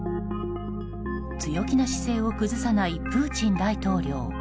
強気な姿勢を崩さないプーチン大統領。